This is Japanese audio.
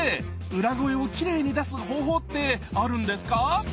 裏声をきれいに出す方法ってあるんですか？